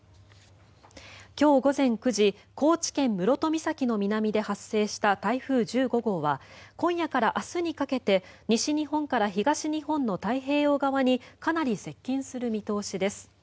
今日午前９時高知県・室戸岬の南で発生した台風１５号は今夜から明日にかけて西日本から東日本の太平洋側にかなり接近する見通しです。